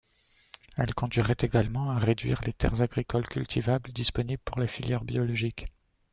Elle conduirait également à réduire les terres agricoles cultivables disponibles pour la filière biologique.